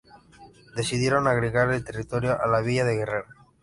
Decidieron agregar el territorio a la Villa de Guerrero.